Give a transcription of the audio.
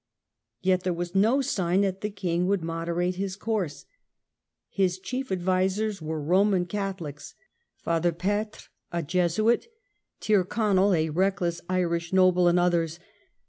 Yet there was no sign that the king would moderate his course. His chief advisers were Roman Catholics — Father Petre, a Jesuit, Tyrconnel, a reckless Formation of Irish noble, and others.